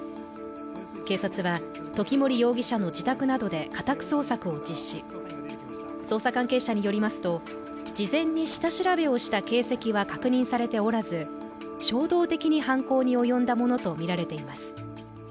警察は時森容疑者の自宅などで、家宅捜索を実施、捜査関係者によりますと事前に下調べをした形跡は確認されておらず、衝動的に犯行に及んだものとみられています。